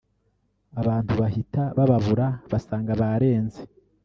abantu bahita bababura basanga barenze